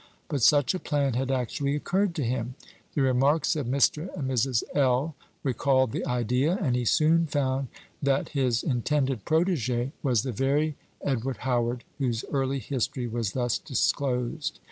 But such a plan had actually occurred to him. The remarks of Mr. and Mrs. L. recalled the idea, and he soon found that his intended protégé was the very Edward Howard whose early history was thus disclosed.